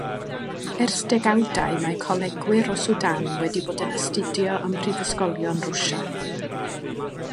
Ers degawdau mae colegwyr o Sudan wedi bod yn astudio ym mhrifysgolion Rwsia.